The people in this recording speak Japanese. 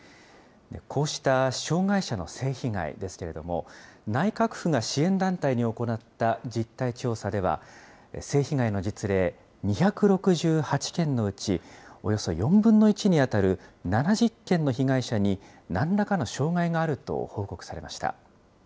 こうした障害者の性被害ですけれども、内閣府が支援団体に行った実態調査では、性被害の実例、２６８件のうち、およそ４分の１に当たる７０件の被害者に、なんらかの障害があると報告されました。